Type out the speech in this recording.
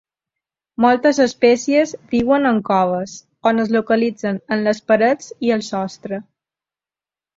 Moltes espècies viuen en coves, on es localitzen en les parets i el sostre.